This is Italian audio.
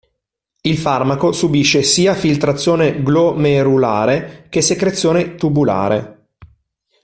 Il farmaco subisce sia filtrazione glomerulare che secrezione tubulare.